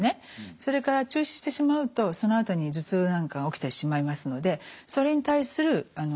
それから中止してしまうとそのあとに頭痛なんかが起きてしまいますのでそれに対する対処。